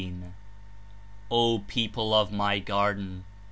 ''O People of My Garden!